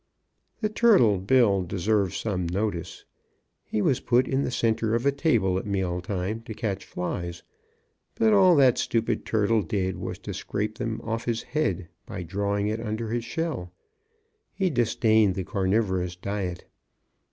The turtle, Bill, deserves some notice. He was put in the center of a table at meal time to catch flies, but all that stupid turtle did was to scrape them off his head by drawing it under his shell. He disdained the carnivorous diet.